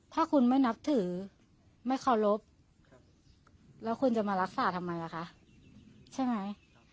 ถ้าคุณไม่นับถือไม่เคารพแล้วคุณจะมารักษาทำไมอ่ะคะใช่ไหม